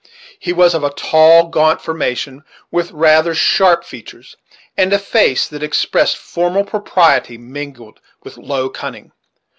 He was of a tall, gaunt formation, with rather sharp features, and a face that expressed formal propriety mingled with low cunning.